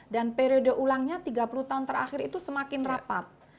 dan periode ulangnya tiga puluh tahun terakhir itu semakin rapat